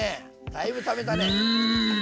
だいぶためたね。